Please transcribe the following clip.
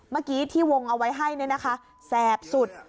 เมื่อกี้ที่วงเอาไว้ให้เนี่ยนะคะแทบสุด